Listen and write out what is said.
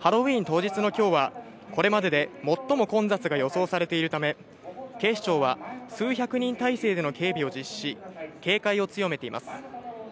ハロウィーン当日のきょうは、これまでで最も混雑が予想されているため、警視庁は数百人態勢での警備を実施し、警戒を強めています。